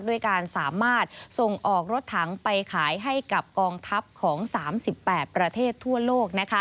ด้วยการสามารถส่งออกรถถังไปขายให้กับกองทัพของ๓๘ประเทศทั่วโลก